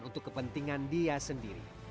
untuk kepentingan dia sendiri